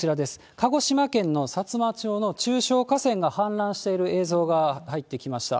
鹿児島県のさつま町の中小河川が氾濫している映像が入ってきました。